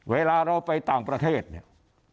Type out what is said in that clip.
เวลาเราไปต่างประเทศเนี่ย